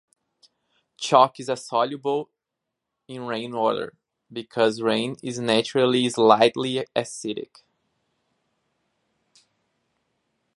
Chalk is a soluble in rainwater because rain is naturally slightly acidic.